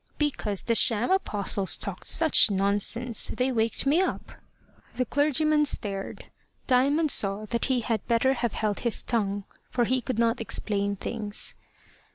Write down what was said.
"Because the sham Apostles talked such nonsense, they waked me up." The clergyman stared. Diamond saw that he had better have held his tongue, for he could not explain things.